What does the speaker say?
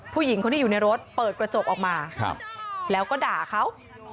ผู้หญิงคนที่อยู่ในรถเปิดกระจกออกมาแล้วก็ด่าเขา